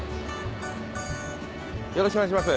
よろしくお願いします。